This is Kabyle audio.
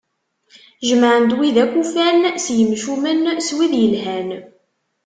Jemɛen-d wid akk ufan, s yemcumen, s wid yelhan.